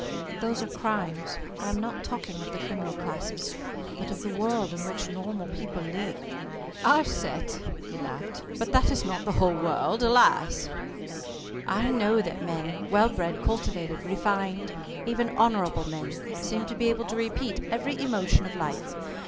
"Those are crimes. I am not talking of the criminal classes, but of the world in which normal people live." "Our set," he laughed, "but that is not the whole world, alas!" "I know that men well bred, cultivated, refined, even honorable men, seem to be able to repeat every emotion of life.